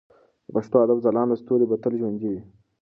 د پښتو ادب ځلانده ستوري به تل ژوندي وي.